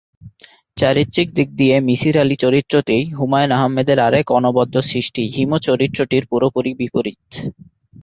চারিত্রিক দিক দিয়ে মিসির আলি চরিত্রটি হুমায়ূন আহমেদের আরেক অনবদ্য সৃষ্টি হিমু চরিত্রটির পুরোপুরি বিপরীত।